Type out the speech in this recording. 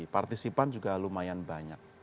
partisipan juga lumayan banyak